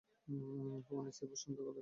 কখনো স্থির প্রশান্ত গলায় কথা বলছে।